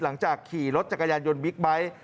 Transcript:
หลังจากขี่รถจักรยานยนต์บิ๊กไบท์